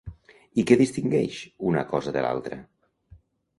I què distingeix l’una cosa de l’altra?